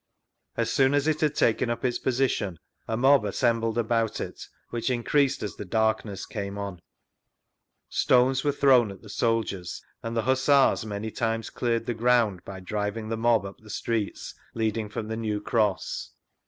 As soon as it had taken up its position, a mob assembled about it, which increased as the darkness came on; stones were thrown at the soldiers, and the Hussars many times cleared the ground by vGoogIc SIR WILLIAM JOLLIFFE'S NARRATIVE 57 driviog the mob up the streets leading from thie New Cross.